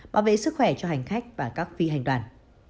bảo vệ sức khỏe cho hành khách và các phi hành đoàn